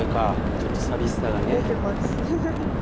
ちょっと寂しさがね。